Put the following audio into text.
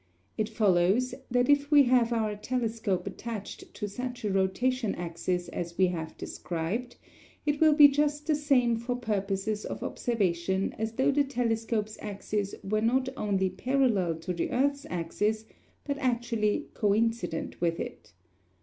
It follows that if we have our telescope attached to such a rotation axis as we have described, it will be just the same for purposes of observation as though the telescope's axis were not only parallel to the earth's axis, but actually coincident with it.